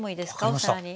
お皿に。